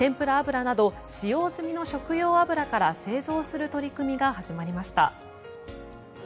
てんぷら油など使用済みの食用油から製造する取り組みが始まりました。